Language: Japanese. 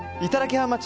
ハウマッチ。